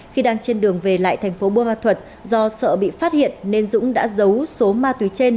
khi đang trên đường về lại thành phố bơ ma thuật do sợ bị phát hiện nên dũng đã giấu số ma túy trên